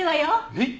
えっ？